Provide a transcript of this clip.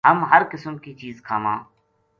ہم ہر قسم کی چیز کھاواں